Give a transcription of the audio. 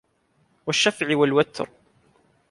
وَالشَّفعِ وَالوَترِ